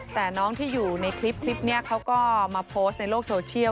แต่น้องที่อยู่ในคลิปนี้เขาก็มาโพสต์ในโลกโซเชียล